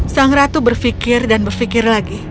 sang ratu berfikir dan berfikir lagi